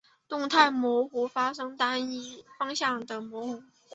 动态模糊发生在单一方向的模糊。